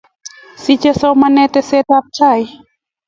sichei somanet teset ab tai